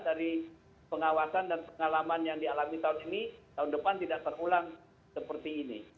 dari pengawasan dan pengalaman yang dialami tahun ini tahun depan tidak terulang seperti ini